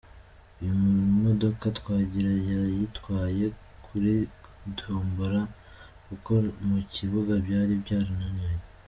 Iyi modoka Twagira yayitwaye kuri tombola kuko mu kibuga byari byananiranye.